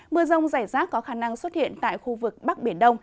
mưa rông rải rác có khả năng xuất hiện tại khu vực bắc biển đông